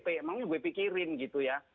memang lebih pikirin gitu ya